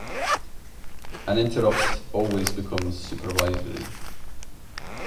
An interrupt always becomes supervisory.